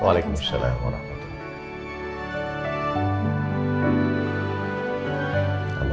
waalaikumsalam warahmatullahi wabarakatuh